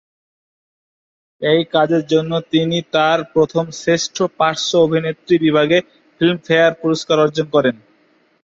এই কাজের জন্য তিনি তার প্রথম শ্রেষ্ঠ পার্শ্ব অভিনেত্রী বিভাগে ফিল্মফেয়ার পুরস্কার অর্জন করেন।